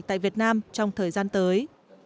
tại việt nam trong thời gian tới